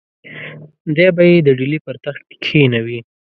دی به یې د ډهلي پر تخت کښېنوي.